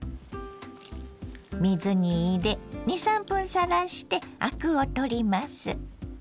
水に入れ２３分さらしてアクを取ります。